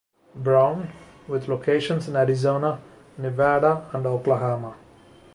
Brown, with locations in Arizona, Nevada and Oklahoma.